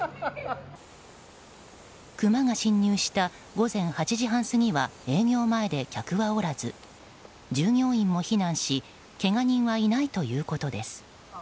クマが侵入した午前８時半過ぎは営業前で客はおらず従業員も避難しけが人はいないということです。